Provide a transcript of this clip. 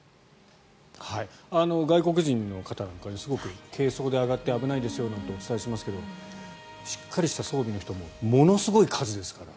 外国人の方なんかすごく軽装で登って危ないですよなんてお伝えしますけどしっかりした装備の人もものすごい数ですから。